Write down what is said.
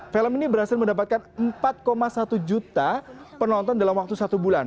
film ini berhasil mendapatkan empat satu juta penonton dalam waktu satu bulan